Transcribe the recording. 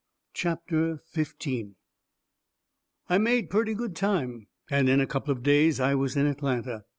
CHAPTER XV I made purty good time, and in a couple of days I was in Atlanta.